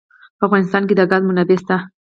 په افغانستان کې د ګاز منابع شته.